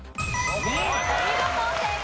お見事正解。